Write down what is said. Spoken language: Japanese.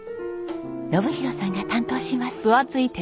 信博さんが担当します。